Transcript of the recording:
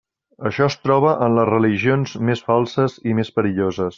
Això es troba en les religions més falses i més perilloses.